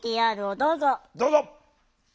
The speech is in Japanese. どうぞ！